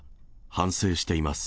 反省しています。